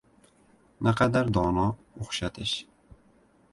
Naqadar dono o‘xshatish!